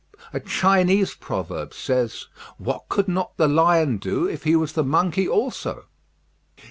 A Chinese proverb says, "What could not the lion do, if he was the monkey also?"